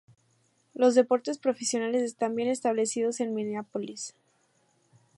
Los deportes profesionales están bien establecidos en Minneapolis.